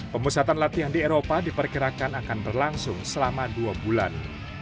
pemusatan latihan di eropa diperkirakan akan berlangsung selama dua bulan